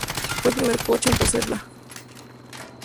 Fue el primer coche en poseerla.